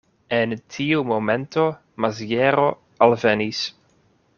En tiu momento Maziero alvenis.